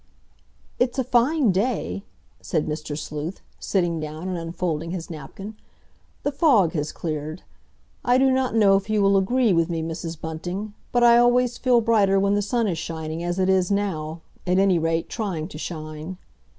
"It's a fine day," said Mr. Sleuth, sitting down and unfolding his napkin. "The fog has cleared. I do not know if you will agree with me, Mrs. Bunting, but I always feel brighter when the sun is shining, as it is now, at any rate, trying to shine."